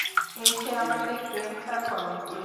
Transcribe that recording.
এসে আমাকে গ্রেফতার কর।